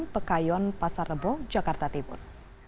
pekayon pasar rebo jakarta timur